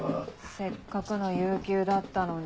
せっかくの有休だったのに。